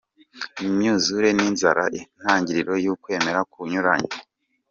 Imyuzure n’ inzara, intangiriro y’ukwemera kunyuranye.